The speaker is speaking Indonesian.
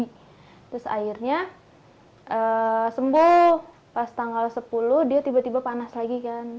terus akhirnya sembuh pas tanggal sepuluh dia tiba tiba panas lagi kan